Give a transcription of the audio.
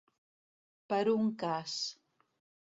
Per un cas.